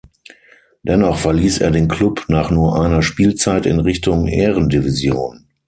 Dennoch verließ er den Klub nach nur einer Spielzeit in Richtung Ehrendivision.